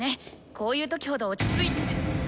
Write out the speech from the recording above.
こういう時ほど落ち着いて。